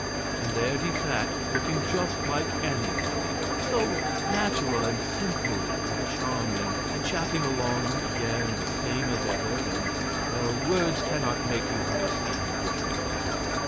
And there he sat, looking just like anybody so natural and simple and charming, and chatting along again the same as ever, and well, words cannot make you understand what we felt.